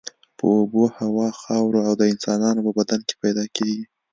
په اوبو، هوا، خاورو او د انسانانو په بدن کې پیدا کیږي.